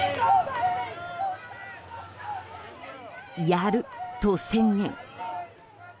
やると宣言。